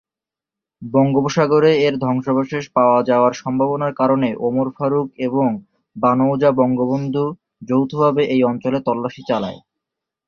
বঙ্গোপসাগরে এর ধ্বংসাবশেষ পাওয়া যাওয়ার সম্ভাবনার কারণে ওমর ফারুক এবং বানৌজা বঙ্গবন্ধু যৌথভাবে এই অঞ্চলে তল্লাশি চালায়।